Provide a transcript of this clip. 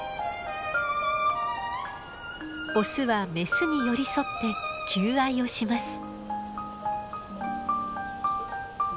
オスはメスに寄り添って求愛をします。